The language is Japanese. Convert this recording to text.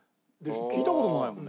聞いた事ないもん